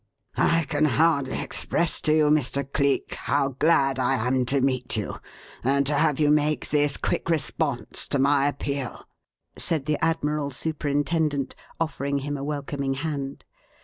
"I can hardly express to you, Mr. Cleek, how glad I am to meet you and to have you make this quick response to my appeal," said the Admiral Superintendent, offering him a welcoming hand.